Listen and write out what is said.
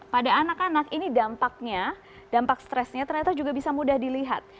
pada anak anak ini dampaknya dampak stresnya ternyata juga bisa mudah dilihat